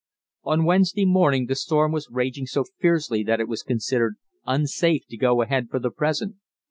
On Wednesday morning the storm was raging so fiercely that it was considered unsafe to go ahead for the present.